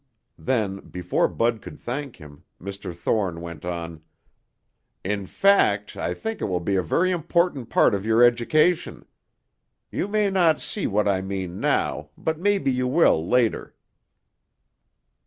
Then, before Bud could thank him, Mr. Thorne went on. "In fact, I think it will be a very important part of your education. You may not see what I mean now, but maybe you will later."